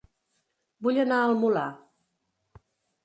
Vull anar a El Molar